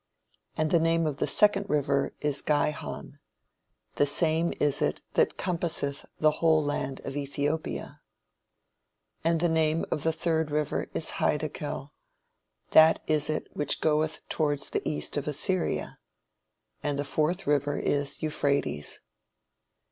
"And the name of the second river is Gihon: the same is it that compasseth the whole land of Ethiopia. "And the name of the third river is Hiddekel; that is it which goeth toward the east of Assyria. And the fourth river is Euphrates.